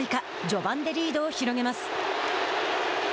序盤でリードを広げます。